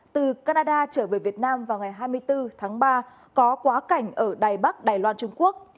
từ canada trở về việt nam vào ngày hai mươi bốn tháng ba có quá cảnh ở đài bắc đài loan trung quốc